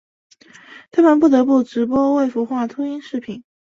他们不得不直播未孵化秃鹰视频。